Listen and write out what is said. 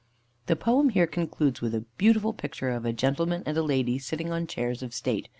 The poem here concludes with a beautiful picture of a gentleman and a lady sitting on chairs of state.